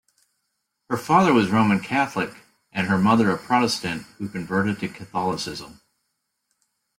Her father was Roman Catholic and her mother a Protestant who converted to Catholicism.